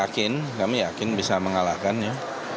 kami yakin bisa mengalahkannya